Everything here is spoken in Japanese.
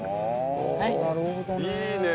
はあなるほどね。